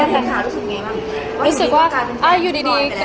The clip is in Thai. หนูว่ายูดี